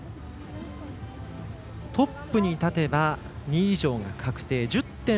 トップに立てば２位以上が確定。１０．６３４